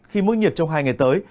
khi mưa nhiệt trong hai ngày tới